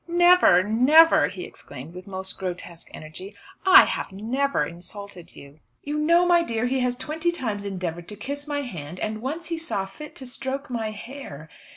"Never, never!" he exclaimed, with most grotesque energy. "I have never insulted you." You know, my dear, he has twenty times endeavoured to kiss my hand, and once he saw fit to stroke my hair.